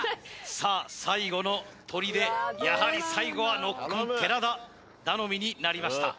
さあ最後の砦やはり最後はノッコン寺田頼みになりました